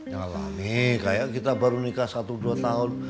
ya mami kayak kita baru nikah satu dua tahun